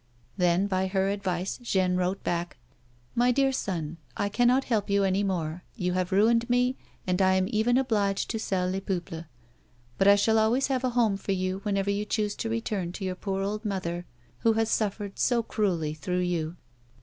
Then, by her advice, Jeanne wrote back :" Mt Dear Son — I cannot help you any more ; you have ruined me, and I am even obliged to sell Les Peuples. But I shall always have a home for you when ever you chose to return to your poor old mother who has suffered so cruelly through you.